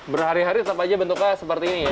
berhari hari tetap aja bentuknya seperti ini ya